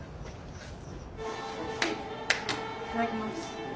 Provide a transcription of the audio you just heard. いただきます。